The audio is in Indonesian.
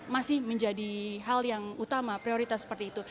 masih menjadi hal yang utama prioritas seperti itu